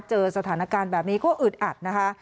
เจอสถานการณ์แบบนี้ก็อึดอัดนะคะ